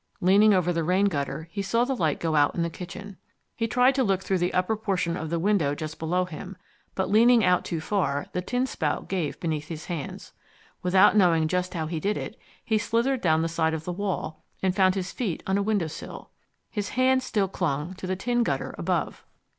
Leaning over the rain gutter, he saw the light go out in the kitchen. He tried to look through the upper portion of the window just below him, but leaning out too far, the tin spout gave beneath his hands. Without knowing just how he did it, he slithered down the side of the wall, and found his feet on a window sill. His hands still clung to the tin gutter above.